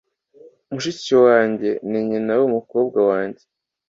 Mushiki wanjye ni nyina wumukobwa wanjye .